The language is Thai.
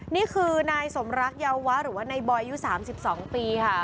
นี่คือนายสมรักเยาวะหรือว่านายบอยอายุ๓๒ปีค่ะ